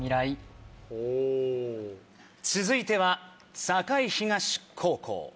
続いては栄東高校。